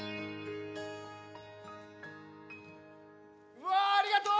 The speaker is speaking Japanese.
うわありがとう！